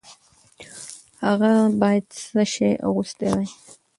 هغه باید څه شی اغوستی وای؟